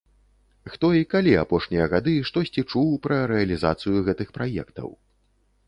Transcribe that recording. Хто і калі апошнія гады штосьці чуў пра рэалізацыю гэтых праектаў?